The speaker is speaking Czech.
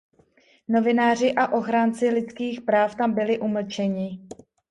Novináři a ochránci lidských práv tam byli umlčeni.